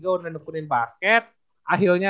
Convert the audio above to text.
udah nempunin basket akhirnya